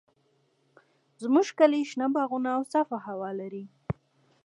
زموږ کلی شنه باغونه او صافه هوا لري.